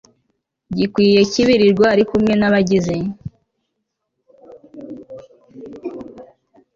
gikwiye cy'ibiribwa ari kumwe n'abagize